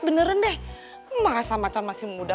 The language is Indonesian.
beneran deh masa macan masih muda